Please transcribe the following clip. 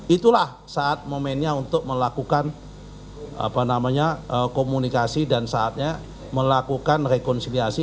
itulah saat momennya untuk melakukan komunikasi dan saatnya melakukan rekonsiliasi